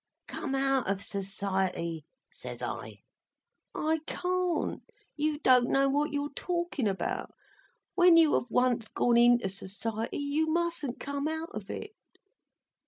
"Come out of Society!" says I. "I can't. You don't know what you're talking about. When you have once gone into Society, you mustn't come out of it."